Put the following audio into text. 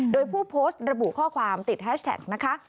โดยผู้โพสต์ระบุข้อความติดแฮชแท็กนะคะ